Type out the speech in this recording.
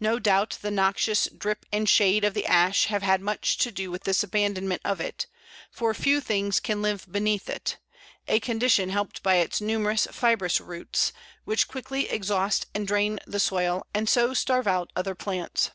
No doubt the noxious drip and shade of the Ash have had much to do with this abandonment of it, for few things can live beneath it a condition helped by its numerous fibrous roots, which quickly exhaust and drain the soil, and so starve out other plants.